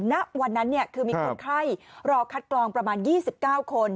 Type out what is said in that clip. ณวันนั้นคือมีคนไข้รอคัดกรองประมาณ๒๙คน